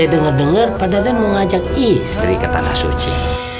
dengar pak dadan mau ngajak istri ke tanah suci